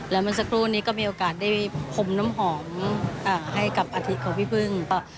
แล้วเมื่อสักครู่นี้ก็มีโอกาสได้พรมน้ำหอมให้กับอาทิตย์ของพี่พึ่ง